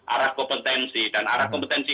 arah kompetensi dan arah kompetensi